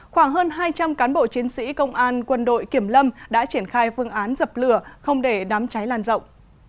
khoảng hơn hai trăm linh cán bộ chiến sĩ công an quân đội kiểm lâm đã triển khai phương án dập lửa không để đám cháy lan rộng